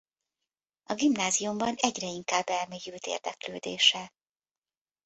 A gimnáziumban egyre inkább elmélyült érdeklődése.